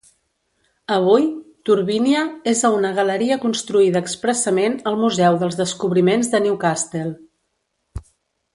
Avui, "Turbinia" és a una galeria construïda expressament al Museu dels Descobriments de Newcastle.